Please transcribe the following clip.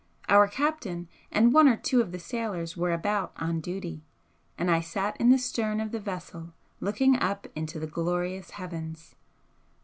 Our captain and one or two of the sailors were about on duty, and I sat in the stern of the vessel looking up into the glorious heavens.